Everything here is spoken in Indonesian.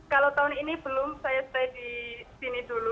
kalau tahun ini belum saya stay di sini dulu